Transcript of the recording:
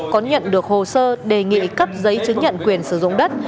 có nhận được hồ sơ đề nghị cấp giấy chứng nhận quyền sử dụng đất